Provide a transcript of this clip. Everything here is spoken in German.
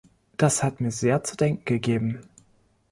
Das hat mir sehr zu denken gegeben.